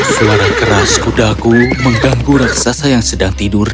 suara keras kudaku mengganggu raksasa yang sedang tidur